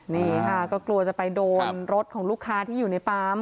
นี่ค่ะก็กลัวจะไปโดนรถของลูกค้าที่อยู่ในปั๊ม